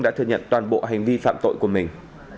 đã thừa nhận toàn bộ hành vi phạm tội của mình